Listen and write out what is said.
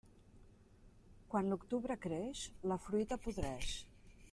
Quan l'octubre creix, la fruita podreix.